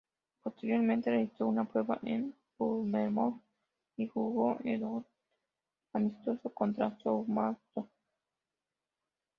Posteriormente realizó una prueba en Bournemouth y jugó en un amistoso contra Southampton.